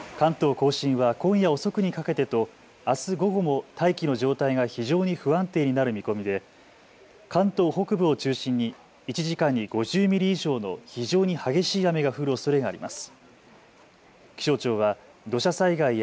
甲信は今夜遅くにかけてとあす午後も大気の状態が非常に不安定になる見込みで関東北部を中心に１時間に５０ミリ以上の非常に激しい雨が降るおそれがあります。